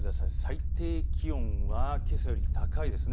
最低気温はけさより高いです。